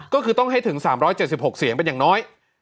ก็คือต้องให้ถึง๓๗๖เสียงเป็นอย่างน้อย